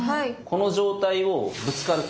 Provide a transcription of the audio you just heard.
この状態を「ぶつかる」。